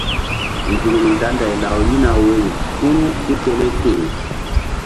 Nzukri nda nday law rihna woyri kpu̧ru tipele teh.